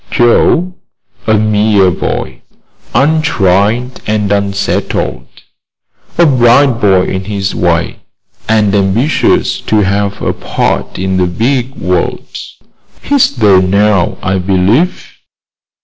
"Joe? A mere boy, untried and unsettled. A bright boy, in his way, and ambitious to have a part in the big world. He's there now, I believe."